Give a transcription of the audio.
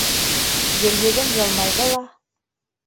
Гөлйөҙөм йылмайҙы ла: